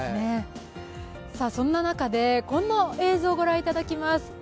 そんな中でこんな映像を御覧いただきます。